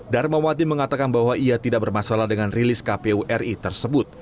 darmawati mengatakan bahwa ia tidak bermasalah dengan rilis kpu ri tersebut